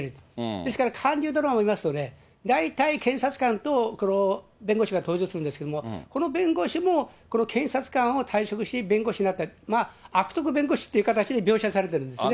ですから韓流ドラマ見ますとね、大体検察官と弁護士が登場するんですけども、この弁護士もこの検察官を退職し、弁護士になった、悪徳弁護士っていう形で描写されてるんですね。